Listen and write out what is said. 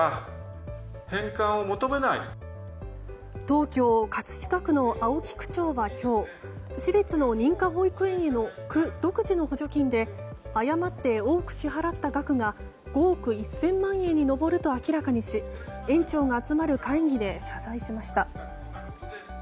東京・葛飾区の青木区長は今日私立の認可保育園への区独自の補助金で誤って多く支払った額が５億１０００万円に上ると明らかにし園長が集まる会議で謝罪しました。